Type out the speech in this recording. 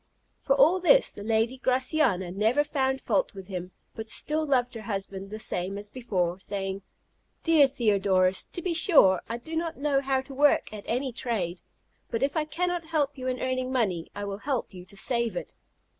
For all this the lady Graciana never found fault with him, but still loved her husband the same as before; saying, "Dear Theodorus, to be sure I do not know how to work at any trade; but if I can not help you in earning money, I will help you to save it."